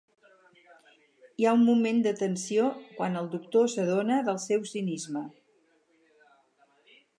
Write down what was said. Hi ha un moment de tensió quan el doctor s'adona del seu cinisme.